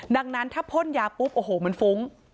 ดังนั้นถ้าพ่นยาปุ๊บโอ้โหมันฟุ้ง